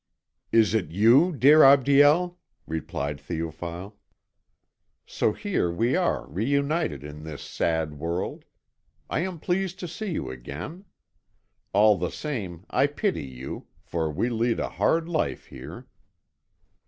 "It is you, dear Abdiel?" replied Théophile. "So here we are reunited in this sad world. I am pleased to see you again. All the same I pity you, for we lead a hard life here."